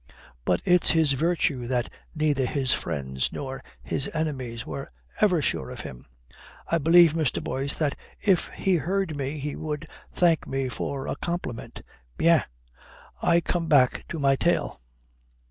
But it's his virtue that neither his friends nor his enemies were ever sure of him. I believe, Mr. Boyce, that if he heard me he would thank me for a compliment. Bien I come back to my tale.